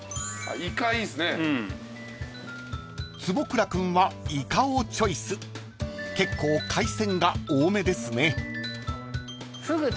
［坪倉君はイカをチョイス結構海鮮が多めですね］